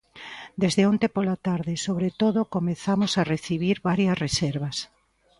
"Desde onte pola tarde sobre todo comezamos a recibir varias reservas."